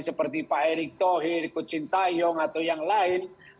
seperti pak erick thohir coach sintayong atau yang lain